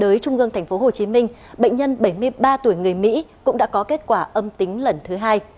đối trung ương tp hcm bệnh nhân bảy mươi ba tuổi người mỹ cũng đã có kết quả âm tính lần thứ hai